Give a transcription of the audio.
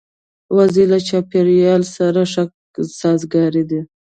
وزې د چاپېریال سره ښه سازګارې دي